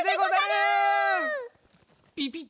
ピピッ。